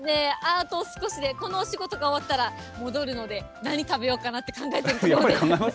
あと少しでこのお仕事が終わったら戻るので、何食べようかなってやっぱり考えますよね。